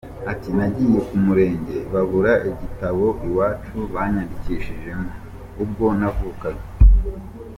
Ati «Nagiye ku Murenge babura igitabo iwacu banyandikishijemo ubwo navukaga.